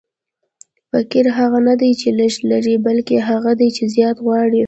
فقیر هغه نه دئ، چي لږ لري؛ بلکي هغه دئ، چي زیات غواړي.